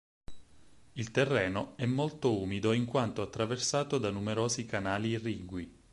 Il terreno è molto umido in quanto attraversato da numerosi canali irrigui.